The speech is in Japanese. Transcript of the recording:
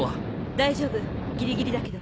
大丈夫ギリギリだけど。